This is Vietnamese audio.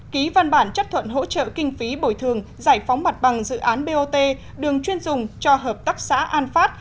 ký văn bản chấp thuận hỗ trợ kinh phí bồi thường giải phóng mặt bằng dự án bot đường chuyên dùng cho hợp tác xã an phát